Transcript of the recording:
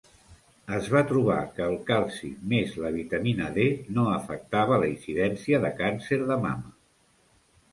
Es va trobar que el calci més la vitamina D no afectava la incidència de càncer de mama.